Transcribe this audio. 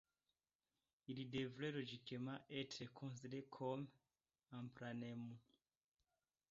Il devrait logiquement être considéré comme un planémo.